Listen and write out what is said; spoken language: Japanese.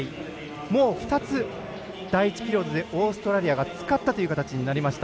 もう２つ、第１ピリオドでオーストラリアが使ったという形になりました。